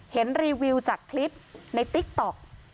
รีวิวจากคลิปในติ๊กต๊อก